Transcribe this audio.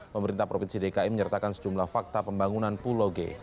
pemerintah provinsi dki menyertakan sejumlah fakta pembangunan pulau g